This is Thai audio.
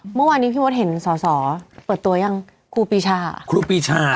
เมื่อวานนี้พี่มดเห็นส่อเปิดตัวยังครูปีชา